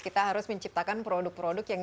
kita harus menciptakan produk produk yang